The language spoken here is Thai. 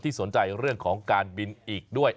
สนใจเรื่องของการบินอีกด้วย